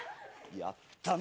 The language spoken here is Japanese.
やったな